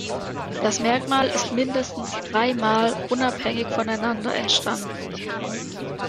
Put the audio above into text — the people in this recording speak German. Das Merkmal ist mindestens dreimal unabhängig voneinander entstanden.